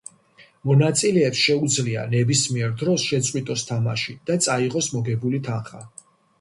მონაწილეს შეუძლია, ნებისმიერ დროს შეწყვიტოს თამაში და წაიღოს მოგებული თანხა.